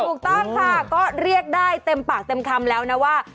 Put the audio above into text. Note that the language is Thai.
ถูกต้องค่ะก็เรียกได้เต็มปากเต็มคำแล้วนะว่า